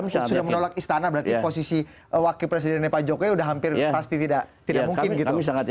sudah menolak istana berarti posisi wakil presidennya pak jokowi sudah hampir pasti tidak mungkin gitu